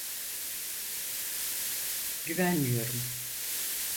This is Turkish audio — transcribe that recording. Güvenmiyorum.